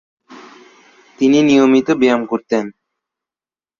তিনি নিয়মিত ব্যায়াম করতেন।